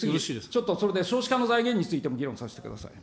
ちょっとそれで少子化の財源についても議論させてください。